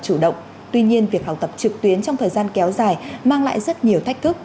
chủ động tuy nhiên việc học tập trực tuyến trong thời gian kéo dài mang lại rất nhiều thách thức